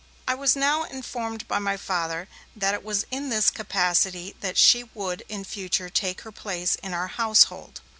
I was now informed by my Father that it was in this capacity that she would in future take her place in our household.